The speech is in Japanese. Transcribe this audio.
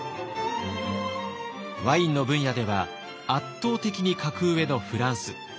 ワインの分野では圧倒的に格上のフランス。